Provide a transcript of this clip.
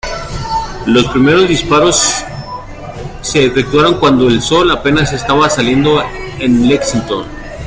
Los primeros disparos se efectuaron cuando el sol apenas estaba saliendo en Lexington.